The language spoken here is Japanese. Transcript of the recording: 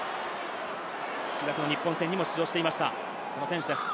７月の日本戦にも出場していた選手です。